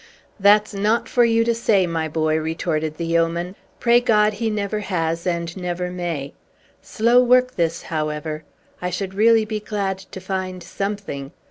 "That's not for you to say, my boy," retorted the yeoman. "Pray God he never has, and never may. Slow work this, however! I should really be glad to find something!